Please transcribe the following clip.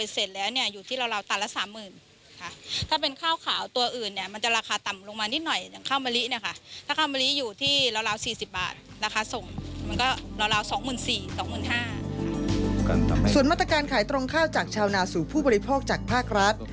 ส่วนมาตรการขายตรงข้าวจากชาวนาสู่ผู้บริโภคจากภาครัฐ